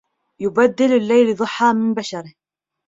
يبدل الليل ضحى من بشره